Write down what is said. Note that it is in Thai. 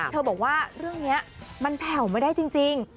บอกว่าเรื่องนี้มันแผ่วไม่ได้จริง